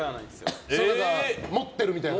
持ってるみたいな？